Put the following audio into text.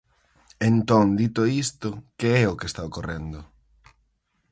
Entón, dito isto, ¿que é o que está ocorrendo?